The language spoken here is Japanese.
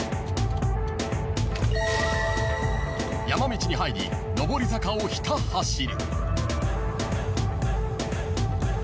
［山道に入り上り坂をひた走る］